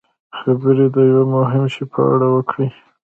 خبرې د یوه مهم شي په اړه وکړي.